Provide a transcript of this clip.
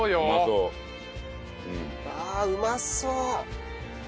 うわあうまそう！